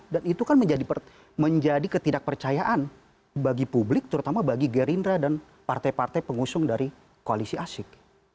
dan itu kan menjadi ketidakpercayaan bagi publik terutama bagi gerindra dan partai partai pengusung dari koalisi asik